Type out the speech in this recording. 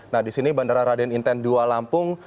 nah disini bandara raden inten dua lampung